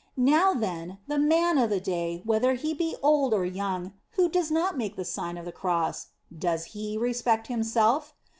Now, then, the man of the day, whether he be old or young, who does not make the Sign of the Cross, does he respect himself?